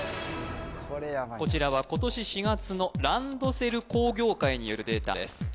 こちらは今年４月のランドセル工業会によるデータです